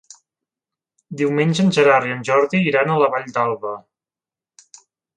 Diumenge en Gerard i en Jordi iran a la Vall d'Alba.